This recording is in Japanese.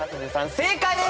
正解です。